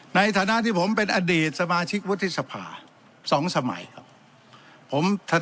ในฐานะที่ผมเป็นอดีตสมาชิกวุฒิสภา๒สมัยครับ